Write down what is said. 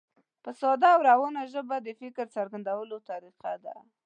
په ساده او روانه ژبه د فکر څرګندولو طریقه ده.